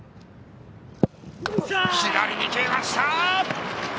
左に決めました！